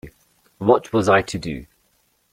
What was I to do?